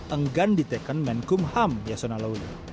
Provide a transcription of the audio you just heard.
enggan ditekan menkum ham yasona lauli